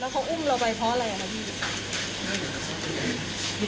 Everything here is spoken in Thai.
แล้วเขาอุ่มเราไปเพราะอะไรนะพี่